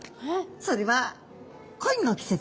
それは恋の季節。